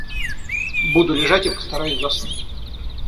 Буду лежать и постараюсь заснуть.